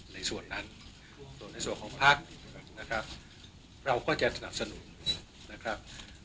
ในส่วนนั้นส่วนในส่วนของพักนะครับเราก็จะสนับสนุนนะครับ